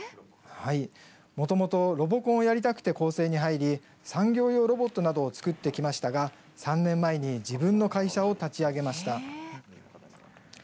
はい、もともとロボコンをやりたくて高専に入り産業用ロボットなどを作ってきましたが、３年前に自分の会社を立ち上げました。